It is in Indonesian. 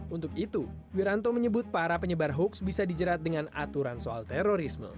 untuk itu wiranto menyebut para penyebar hoax bisa dijerat dengan aturan soal terorisme